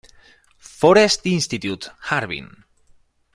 Forest Inst., Harbin"